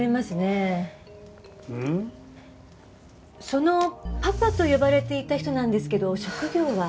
そのパパと呼ばれていた人なんですけど職業は？